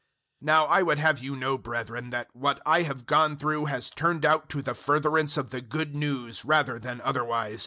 001:012 Now I would have you know, brethren, that what I have gone through has turned out to the furtherance of the Good News rather than otherwise.